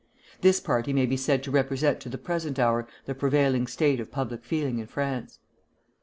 This party may be said to represent to the present hour the prevailing state of public feeling in France.